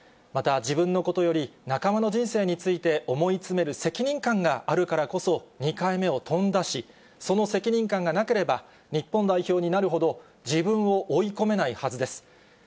また自分のことより仲間の人生について、思いつめる責任感があるからこそ、２回目を飛んだし、その責任感がなければ、日本代表になるほど自分を追い込めないはずです。